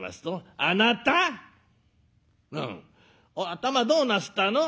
「頭どうなすったの？」。